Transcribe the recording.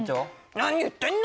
何言ってんの？